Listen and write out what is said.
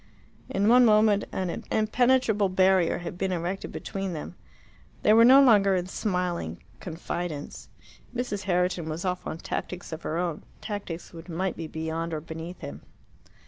In one moment an impenetrable barrier had been erected between them. They were no longer in smiling confidence. Mrs. Herriton was off on tactics of her own tactics which might be beyond or beneath him.